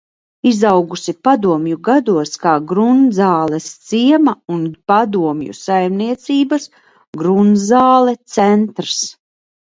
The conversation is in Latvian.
"Izaugusi padomju gados kā Grundzāles ciema un padomju saimniecības "Grundzāle" centrs."